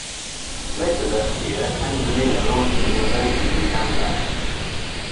Later that year Tanzania launched an invasion of Uganda.